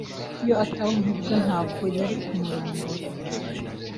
Iyo ataba umuherwe, ntabwo yari kumurongora.